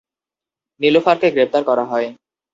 নিলুফারকে গ্রেফতার করা হয়।